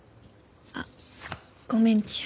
あっごめんちや。